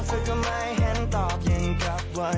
ภูภาจะต้องนั่งนิ่งจนจบเลย